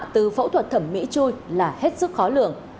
từ phẫu thuật thẩm mỹ chui là hết sức khó lường